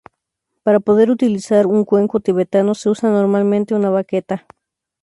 Para poder utilizar un cuenco tibetano se usa normalmente una "baqueta".